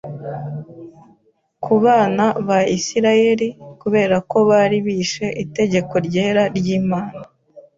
ku bana ba Isirayeri kubera ko bari bishe itegeko ryera ry’Imana.